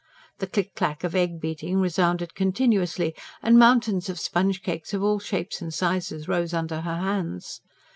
The click clack of egg beating resounded continuously; and mountains of sponge cakes of all shapes and sizes rose under her hands.